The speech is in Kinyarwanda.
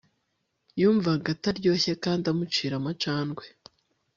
yumvaga ataryoshye kandi amucira amacandwe